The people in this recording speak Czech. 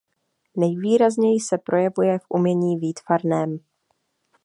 Nejvýrazněji se projevuje v umění výtvarném.